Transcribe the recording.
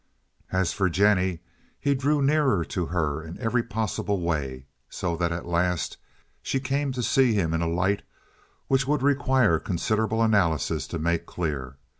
As for Jennie, he drew nearer to her in every possible way, so that at last she came to see him in a light which would require considerable analysis to make clear.